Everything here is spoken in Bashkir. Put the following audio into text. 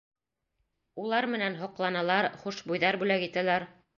Улар менән һоҡланалар, хушбуйҙар бүләк итәләр...